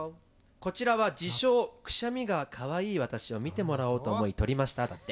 こちらは「自称くしゃみがかわいい私を見てもらおうと思い撮りました」だって。